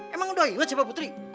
emang udah ilat siapa putri